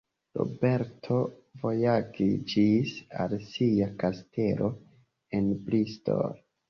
Roberto vojaĝis al sia kastelo en Bristol.